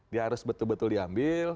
dia harus betul betul diambil